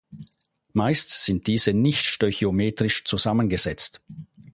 Meist sind diese nicht stöchiometrisch zusammengesetzt.